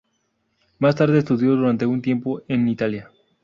Más tarde estudió durante un tiempo en Italia.